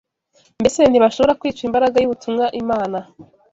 Mbese ntibashobora kwica imbaraga y’ubutumwa Imana